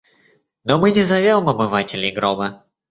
Но мы не зовем обывателей гроба.